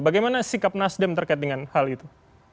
bagaimana sikap nasdem terkait dengan hal itu